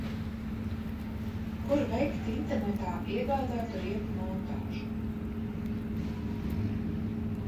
Kur veikt internetā iegādātu riepu montāžu?